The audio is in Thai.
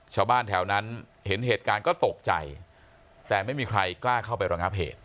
ชาวบ้านแถวนั้นเห็นเหตุการณ์ก็ตกใจแต่ไม่มีใครกล้าเข้าไประงับเหตุ